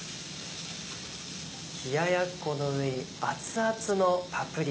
冷ややっこの上に熱々のパプリカ。